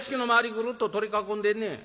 ぐるっと取り囲んでんねん。